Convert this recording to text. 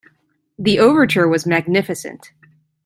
The overture was magnificent.